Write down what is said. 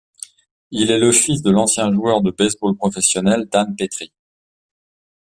Il est le fils de l'ancien joueur de baseball professionnel Dan Petry.